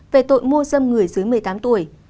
về tội mua dâm người dưới một mươi tám tuổi